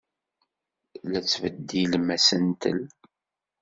La tettbeddilem asentel.